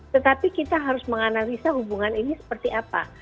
tetapi kita harus menganalisa hubungan ini seperti apa